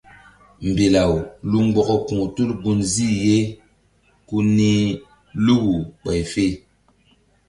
Mbilaw lu mgbɔkɔ ku̧h tul gunzih ye ku nih Luku ɓay fe.